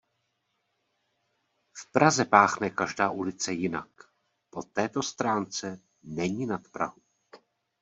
V Praze páchne každá ulice jinak; po této stránce není nad Prahu.